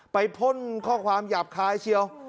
พ่นข้อความหยาบคายเชียว